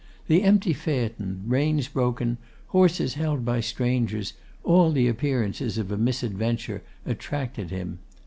The empty phaeton, reins broken, horses held by strangers, all the appearances of a misadventure, attracted him.